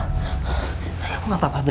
kamu gak apa apa bener